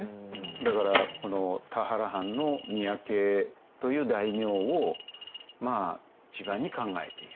だからこの田原藩の三宅という大名を一番に考えている。